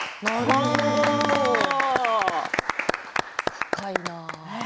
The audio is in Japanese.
深いな。